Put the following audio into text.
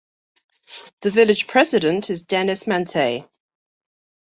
The village president is Dennis Manthei.